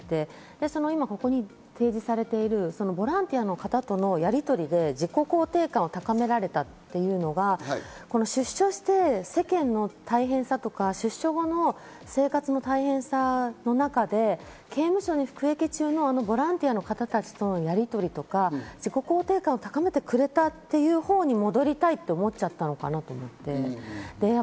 今ここに提示されているボランティアの方とのやりとりで、自己肯定感を高められたというのが出所して、世間の大変さとか、出所後の生活の大変さの中で刑務所に服役中のボランティアの方たちとのやりとりとか、自己肯定感を高めてくれたっていうほうに戻りたいって思っちゃったのかなと思って。